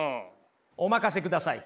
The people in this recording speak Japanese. お任せください。